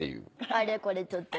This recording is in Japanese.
あれこれちょっと。